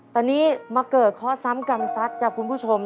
ตอนนี้มาเกิดข้อซ้ำกรรมซัดจากคุณผู้ชม